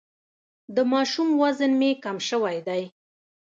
د ماشوم وزن مي کم سوی دی.